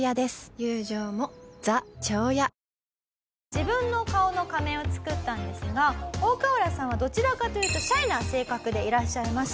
自分の顔の仮面を作ったんですがオオカワラさんはどちらかというとシャイな性格でいらっしゃいます。